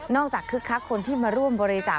จากคึกคักคนที่มาร่วมบริจาค